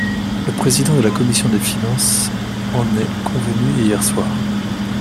Le président de la commission des finances en est convenu hier soir.